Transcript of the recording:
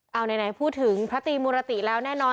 เอาไหนพูดถึงพระตรีมุรติแล้วแน่นอน